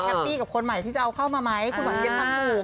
ปี้กับคนใหม่ที่จะเอาเข้ามาไหมคุณหวัฒนหมู่